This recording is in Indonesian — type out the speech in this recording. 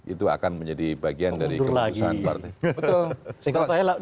itu akan menjadi bagian dari keputusan partai